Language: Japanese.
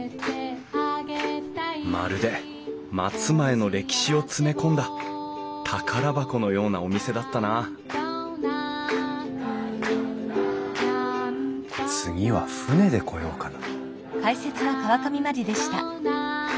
まるで松前の歴史を詰め込んだ宝箱のようなお店だったな次は船で来ようかな。